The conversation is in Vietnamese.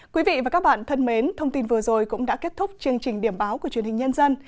quý vị và các bạn thân mến thông tin vừa rồi cũng đã kết thúc chương trình điểm báo của truyền hình nhân dân